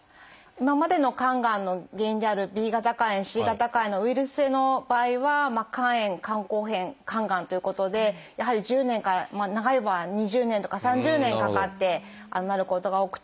今までの肝がんの原因であるＢ型肝炎Ｃ型肝炎のウイルス性の場合は肝炎肝硬変肝がんということでやはり１０年からまあ長い場合は２０年とか３０年かかってなることが多くて。